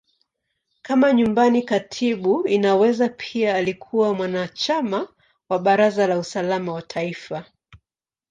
Kama Nyumbani Katibu, Inaweza pia alikuwa mwanachama wa Baraza la Usalama wa Taifa.